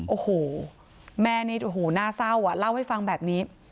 โอ้โหแม่นี่โอ้โหน่าเศร้าอ่ะเล่าให้ฟังแบบนี้